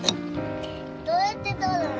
どうやって取るん？